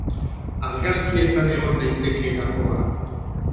Argazkietan egon daiteke gakoa.